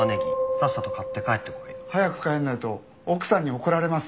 さっさと買って帰ってこい！」早く帰らないと奥さんに怒られます。